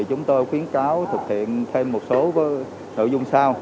chúng tôi khuyến cáo thực hiện thêm một số nội dung sau